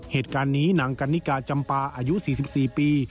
เหตุการณ์นี้นางกันนิกาจำปาอายุ๔๔ปี